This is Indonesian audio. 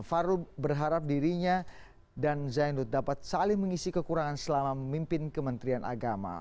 farul berharap dirinya dan zainud dapat saling mengisi kekurangan selama memimpin kementerian agama